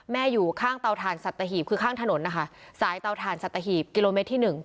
แม่อยู่ข้างเตาทานสัตตาหีบคือข้างถนนนะคะสายเตาทานสัตตาหีบกิโลเมตรที่๑